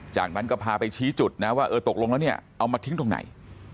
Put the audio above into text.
จากนั้นก็พาไปชี้จุดนะว่าเออตกลงแล้วเนี่ยเอามาทิ้งตรงไหน